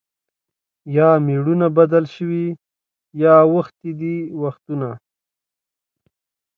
یا مېړونه بدل سوي یا اوښتي دي وختونه